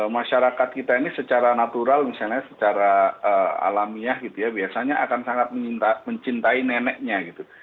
masyarakat kita ini secara natural misalnya secara alamiah biasanya akan sangat mencintai neneknya